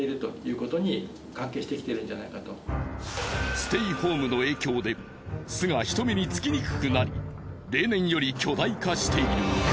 ステイホームの影響で巣が人目につきにくくなり例年より巨大化している。